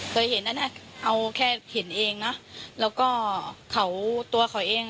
เคยเห็นนะเอาแค่เห็นเองนะแล้วก็ตัวเขาเอง